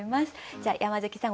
じゃあ山崎さん